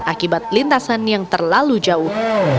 akibat lintasan yang terlalu jauh